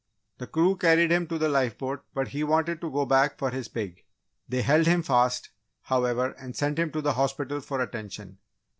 The crew carried him to the lifeboat but he wanted to go back for his pig! They held him fast, however, and sent him to the hospital for attention.